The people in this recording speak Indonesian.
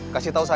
kasih tau saya